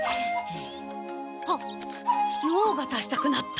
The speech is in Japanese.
あっ用が足したくなった。